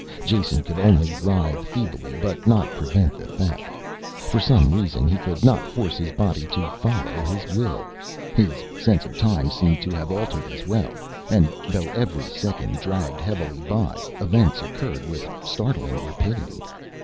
Jason could only writhe feebly but not prevent the theft, for some reason he could not force his body to follow his will. His sense of time seemed to have altered as well and though every second dragged heavily by events occurred with startling rapidity.